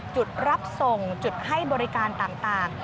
จุดรับส่งจุดให้บริการต่าง